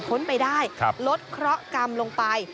้นไปได้ลดเคราะหกรรมลงไป